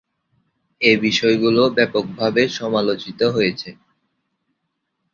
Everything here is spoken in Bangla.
এ বিষয়গুলো ব্যাপকভাবে সমালোচিত হয়েছে।